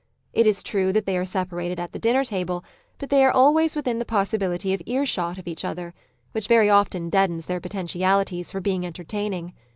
It is true that they are separated at the dinner table, but they are always within the possibility of earshot of each other, which very often deadens their potentialities for being enter taining.